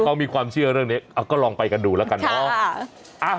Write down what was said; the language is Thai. คนที่มีความเชื่อเรื่องนี้เอาก็ลองไปกันดูแล้วกันเนาะค่ะ